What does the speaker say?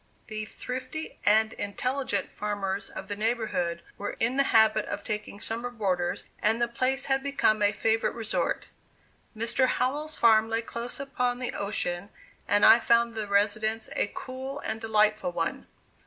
The thrifty and intelligent farmers of the neighborhood were in the habit of taking summer boarders, and the place had become a favorite resort. Mr. Howell's farm lay close upon the ocean and I found the residence a cool and delightful one.